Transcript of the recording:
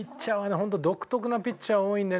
本当独特なピッチャーが多いんでね。